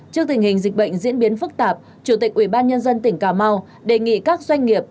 trước tình hình dịch bệnh diễn biến phức tạp chủ tịch ubnd tỉnh cà mau đề nghị các doanh nghiệp